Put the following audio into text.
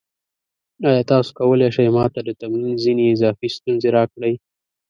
ایا تاسو کولی شئ ما ته د تمرین ځینې اضافي ستونزې راکړئ؟